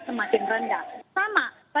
semakin rendah sama